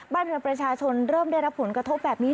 บ้านเรือนประชาชนเริ่มได้รับผลกระทบแบบนี้